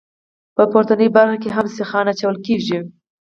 په پورتنۍ برخه کې هم سیخان اچول کیږي